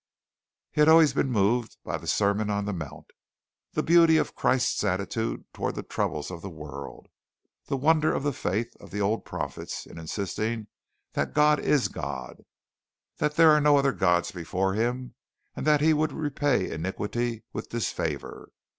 He had always been moved by the Sermon on the Mount; the beauty of Christ's attitude toward the troubles of the world, the wonder of the faith of the old prophets in insisting that God is God, that there are no other Gods before him, and that he would repay iniquity with disfavor.